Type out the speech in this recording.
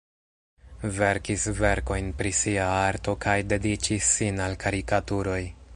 Verkis verkojn pri sia arto kaj dediĉis sin al karikaturoj.